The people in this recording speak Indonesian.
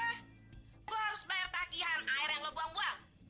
aku harus bayar tagihan air yang lo buang buang